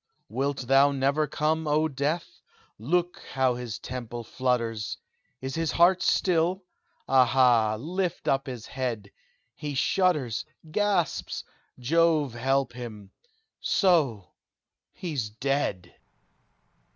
Wilt thou never come, oh Death! Look! how his temple flutters! Is his heart still? Aha! lift up his head! He shudders gasps Jove help him! so he's dead."